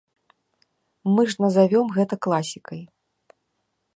Мы ж назавём гэта класікай.